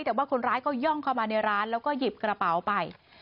แต่ว่าคนร้ายก็ย่องเข้ามาในร้านแล้วก็หยิบกระเป๋าไป